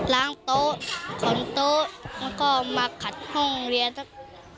ล้างโต๊ะขนโต๊ะแล้วก็มาขัดห้องเรียนสัก